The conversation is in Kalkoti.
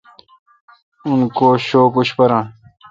اون کو شوک اوشپاران